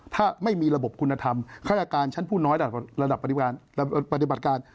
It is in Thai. ถ้าไม่มีระบบคุณธรรมฆาตการชั้นผู้น้อยระดับปฏิบัติการ